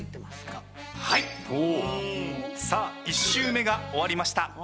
１周目が終わりました。